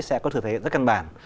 sẽ có thực thể rất cân bản